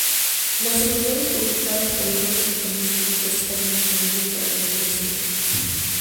Las seguridades publicadas por las nuevas compañías públicas estaban disponibles para los inversionistas.